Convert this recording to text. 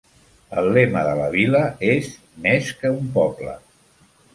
El lema de la vila és "Més que un poble".